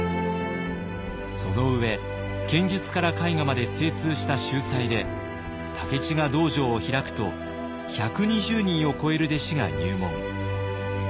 その上剣術から絵画まで精通した秀才で武市が道場を開くと１２０人を超える弟子が入門。